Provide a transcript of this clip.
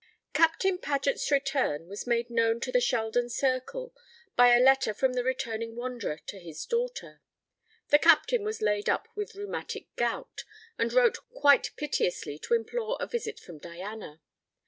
Captain Paget's return was made known to the Sheldon circle by a letter from the returning wanderer to his daughter. The Captain was laid up with rheumatic gout, and wrote quite piteously to implore a visit from Diana.